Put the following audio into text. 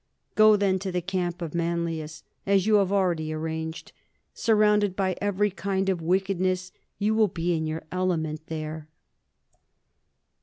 Go then to the camp of Manlius, as you have already arranged. Surrounded by every kind of wickedness, you will be in your element there.